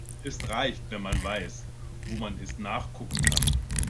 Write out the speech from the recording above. Es reicht, wenn man weiß, wo man es nachgucken kann.